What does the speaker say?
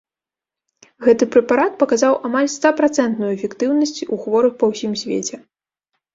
Гэты прэпарат паказаў амаль стапрацэнтную эфектыўнасць у хворых па ўсім свеце.